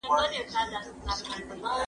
تیزه خوشبويي مه کاروئ.